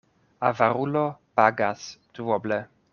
Avarulo pagas duoble.